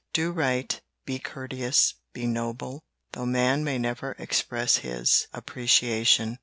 Do right, be courteous, be noble, though man may never express his appreciation.